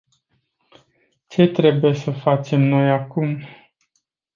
Ce trebuie să facem noi acum?